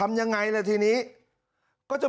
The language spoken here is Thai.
มึงอยากให้ผู้ห่างติดคุกหรอ